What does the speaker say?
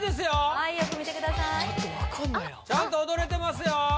はいよく見てくださいあっあっちゃんと踊れてますよ